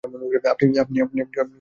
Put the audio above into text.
আপনি কী করতে চান?